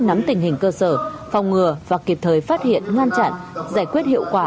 nắm tình hình cơ sở phòng ngừa và kịp thời phát hiện ngăn chặn giải quyết hiệu quả